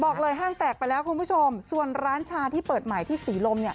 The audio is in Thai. บอกเลยห้างแตกไปแล้วคุณผู้ชมส่วนร้านชาที่เปิดใหม่ที่ศรีลมเนี่ย